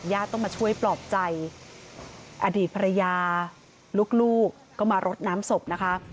ต้องมาช่วยปลอบใจอดีตภรรยาลูกก็มารดน้ำศพนะคะ